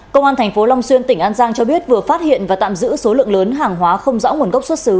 công an tp long xuyên tỉnh an giang cho biết vừa phát hiện và tạm giữ số lượng lớn hàng hóa không rõ nguồn gốc xuất xứ